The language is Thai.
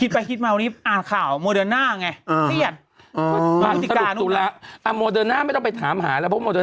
ไม่ตอนแรกก็ไม่ได้แต่งนะแม่คิดไปคิดมาวันนี้